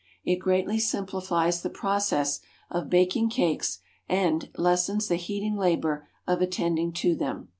It greatly simplifies the process of baking cakes, and, lessens the heating labor of attending to them.